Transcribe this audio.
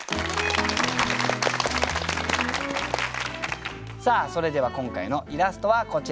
さあそれでは今回のイラストはこちらです。